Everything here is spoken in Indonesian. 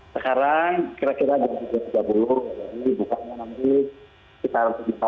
sekarang kira kira jam tiga belas tiga puluh jadi bukanya nanti sekitar tujuh belas empat puluh lima